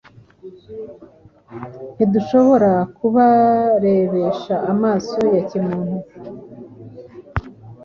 Ntidushobora kubarebesha amaso ya kimuntu;